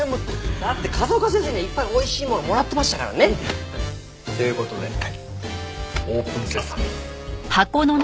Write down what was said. だって風丘先生にはいっぱい美味しいものもらってましたからね。という事でオープンセサミ。